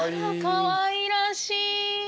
かわいらしい。